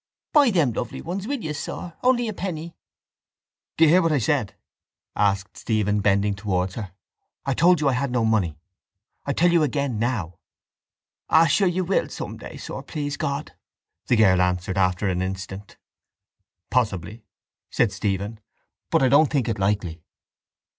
—Buy them lovely ones, will you, sir? Only a penny. —Did you hear what I said? asked Stephen, bending towards her. I told you I had no money. I tell you again now. —Well, sure, you will some day, sir, please God, the girl answered after an instant. —Possibly, said Stephen, but I don't think it likely.